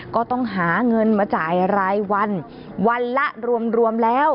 ก็ต้องหาเงินมาจ่ายรายวันวันละรวมแล้ว